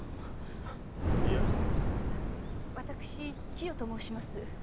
私千代と申します。